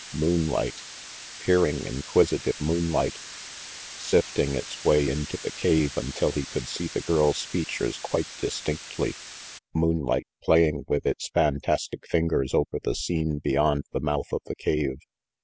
Moonlight! Peering, inquisitive moonlight, sifting RANGY PETE 381 its way into the cave until he could see the girl's features quite distinctly. Moonlight, playing with its fantastic fingers over the scene beyond the mouth of the cave.